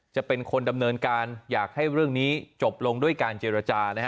จะเป็นคนดำเนินการอยากให้เรื่องนี้จบลงด้วยการเจรจานะฮะ